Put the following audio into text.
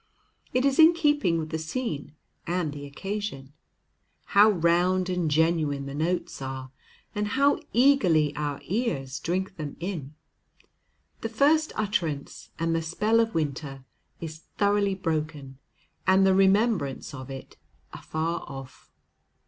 It is in keeping with the scene and the occasion. How round and genuine the notes are, and how eagerly our ears drink them in! The first utterance, and the spell of winter is thoroughly broken, and the remembrance of it afar off.